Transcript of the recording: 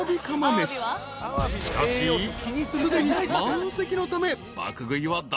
［しかしすでに満席のため］